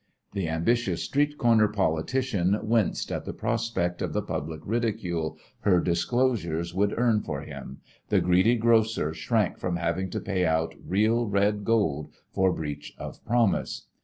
The ambitious street corner politician winced at the prospect of the public ridicule her disclosures would earn for him; the greedy grocer shrank from having to pay out real red gold for breach of promise.